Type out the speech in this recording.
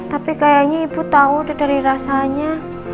tapi kayaknya ibu tahu dari rasanya